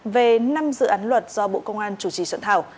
về năm dự án luật do bộ công an chủ trì soạn thảo